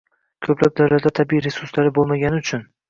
Ko‘plab davlatlar tabiiy resurslari bo‘lmagani uchun